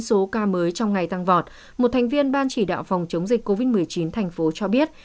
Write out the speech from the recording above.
số ca mới trong ngày tăng vọt một thành viên ban chỉ đạo phòng chống dịch covid một mươi chín thành phố cho biết